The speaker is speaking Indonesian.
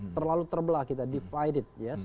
terlalu terbelah kita divided ya